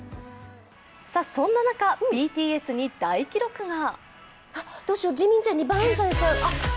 そんな中、ＢＴＳに大記録が。